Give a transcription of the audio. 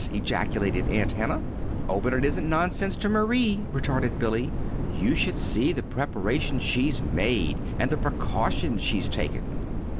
ejaculated Aunt Hannah. "Oh, but it isn't nonsense to Marie," retorted Billy. "You should see the preparations she's made and the precautions she's taken.